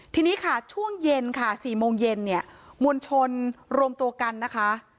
ทีนี้ค่ะช่วงเย็นค่ะ๔โมงเย็นเนี่ยมวลชนรวมตัวกันนะคะ